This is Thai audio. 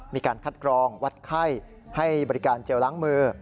มีการคัดกรองวัดไข้ให้บริการเจลล้างมือ